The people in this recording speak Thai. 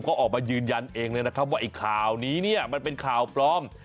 ก็ออกมายืนยันเองเลยนะครับว่าไอ้ข่าวนี้เนี่ยมันเป็นข่าวปลอม